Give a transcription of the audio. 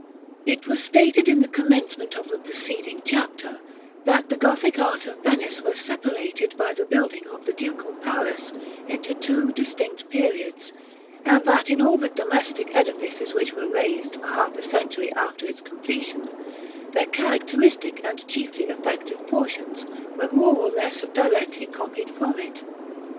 It was stated in the commencement of the preceding chapter that the Gothic art of Venice was separated by the building of the Ducal Palace into two distinct periods; and that in all the domestic edifices which were raised for half a century after its completion, their characteristic and chiefly effective portions were more or less directly copied from it.